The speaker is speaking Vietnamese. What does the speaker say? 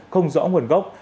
không rõ nguồn gốc